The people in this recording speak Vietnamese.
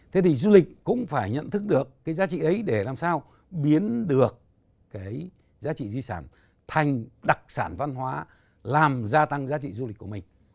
thế thì du lịch cũng phải nhận thức được cái giá trị ấy để làm sao biến được cái giá trị di sản thành đặc sản văn hóa làm gia tăng giá trị du lịch của mình